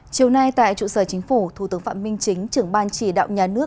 chiều nay tại trụ sở chính phủ thủ tướng phạm minh chính trưởng ban chỉ đạo nhà nước